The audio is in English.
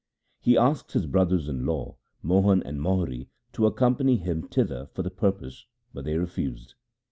He asked his brothers in law, Mohan and Mohri, to accompany him thither for the pur pose, but they refused.